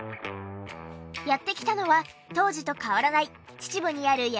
やって来たのは当時と変わらない秩父にある山下くんの自宅。